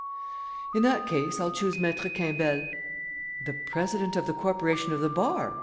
"In that case, I'll choose Maître Quimbel." "The president of the corporation of the bar.